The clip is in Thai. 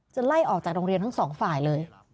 ไล่ออกจากโรงเรียนทั้งสองฝ่ายเลย